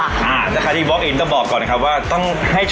อ่าแล้วค่ะที่บล็อกอินต้องบอกก่อนนะครับว่าต้องให้ต้องมาก่อนเที่ยงนะ